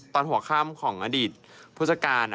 ตอนหัวข้ามของอดีตพุธศการ